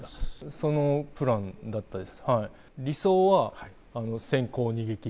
そのプランだったです。